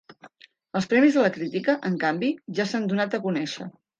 Els premis de la crítica, en canvi, ja s’han donat a conèixer.